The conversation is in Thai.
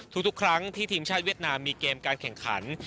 ทุกครั้งที่ทีมชาติเวียดนามมีเกมการแข่งขัน